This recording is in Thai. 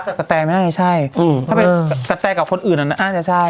กับกะแตกับกะแตไม่น่าจะใช่อืมถ้าเป็นกะแตกับคนอื่นอ่ะน่าจะใช่